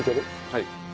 はい。